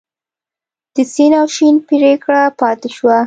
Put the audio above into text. د سین او شین پیکړه پاتې شوه.